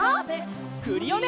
クリオネ！